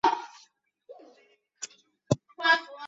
最终男子手球及女子手球分别由克罗地亚及丹麦夺得金牌。